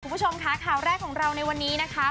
คุณผู้ชมค่ะข่าวแรกของเราในวันนี้นะคะ